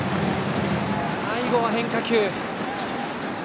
最後は変化球。